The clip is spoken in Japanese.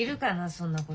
そんなこと。